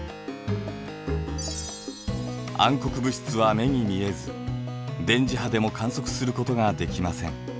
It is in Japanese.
暗黒物質は目に見えず電磁波でも観測することができません。